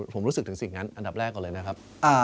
ผมรู้สึกถึงสิ่งนั้นอันดับแรกก่อนเลยนะครับ